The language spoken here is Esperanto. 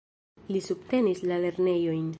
Li subtenis la lernejojn.